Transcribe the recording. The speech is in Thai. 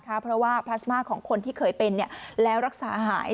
เพราะว่าพลาสมาของคนที่เคยเป็นแล้วรักษาหาย